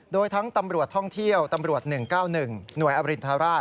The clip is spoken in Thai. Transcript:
โดยทั้งตำรวจท่องเที่ยวตำรวจ๑๙๑หน่วยอรินทราช